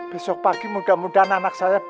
besok pagi mudah mudahan anak saya